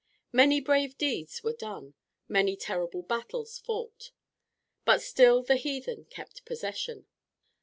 Many brave deeds were done, many terrible battles fought, but still the heathen kept possession.